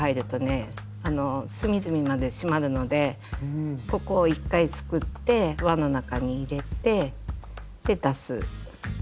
隅々まで締まるのでここを１回すくって輪の中に入れてで出す。